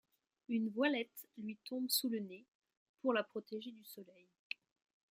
Une voilette lui tombe sous le nez, pour la protéger du soleil.